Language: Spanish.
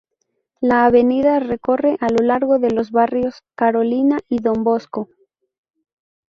La avenida recorre a lo largo de los barrios Carolina y Don Bosco.